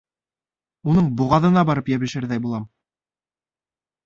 Уның боғаҙына барып йәбешерҙәй булам.